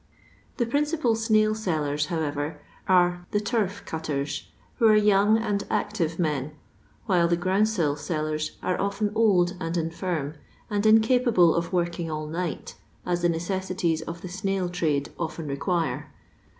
The principal tttail selUrs, however, are the turf cutters, who are young and active men, while the groundsel sellers are often old and infinn and incapable of working all night, aa the neoesdtiei of the snail trade often require.